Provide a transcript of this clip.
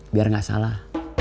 biar gak salah